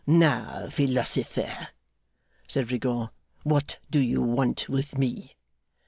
'Now, Philosopher!' said Rigaud. 'What do you want with me?